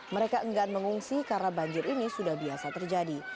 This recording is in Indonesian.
mereka enggan mengungsi karena banjir ini sudah biasa terjadi